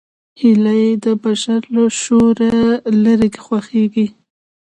هیلۍ د بشر له شوره لیرې خوښېږي